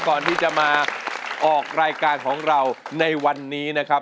ก่อนที่จะมาออกรายการของเราในวันนี้นะครับ